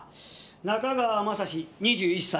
中川雅史２１歳。